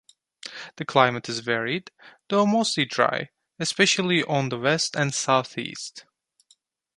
The climate is varied, though mostly dry, especially on the west and southeast.